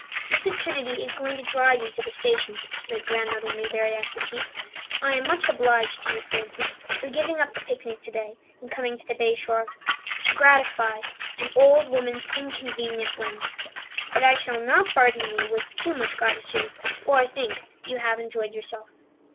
"Mrs. Kennedy is going to drive you to the station," said Grandmother Newbury after tea. "I am much obliged to you, Frances, for giving up the picnic today and coming to the Bay Shore to gratify an old woman's inconvenient whim. But I shall not burden you with too much gratitude, for I think you have enjoyed yourself."